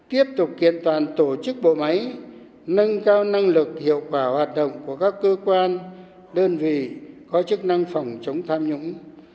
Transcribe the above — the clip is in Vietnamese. tiếp tục kiện toàn tổ chức bộ máy nâng cao năng lực hiệu quả hoạt động của các cơ quan đơn vị có chức năng phòng chống tham nhũng